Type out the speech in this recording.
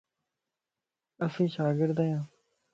اسين شاگرد آھيان.